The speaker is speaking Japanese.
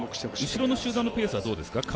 後ろの集団のペースはどうですか？